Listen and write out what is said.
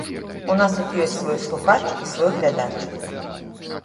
У нас тут ёсць свой слухач і свой глядач.